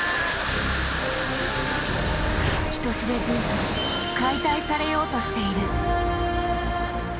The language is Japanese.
人知れず解体されようとしている。